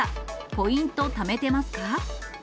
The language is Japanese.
ポイントためてますか？